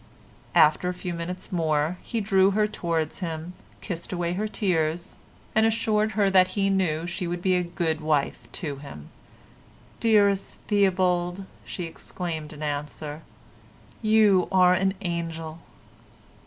After a few minutes more he drew her towards him, kissed away her tears, and assured her that he knew she would be a good wife to him. "Dearest Theobald," she exclaimed in answer, "you are an angel."